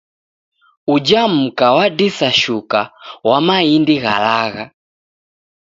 Uja mka wadisa shuka wa maindi gha lagha.